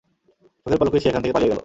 চোখের পলকেই সে সেখান থেকে পালিয়ে গেল।